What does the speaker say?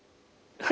はい。